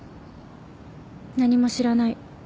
何も知らない。